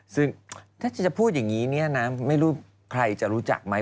ซึ่งถ้าจะพูดอย่างนี้เนี่ยนะไม่รู้ใครจะรู้จักไหม